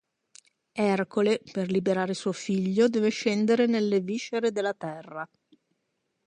Ercole per liberare suo figlio deve scendere nelle viscere della terra.